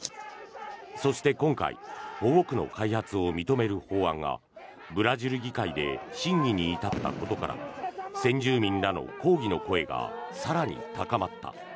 そして、今回保護区の開発を認める法案がブラジル議会で審議に至ったことから先住民らの抗議の声が更に高まった。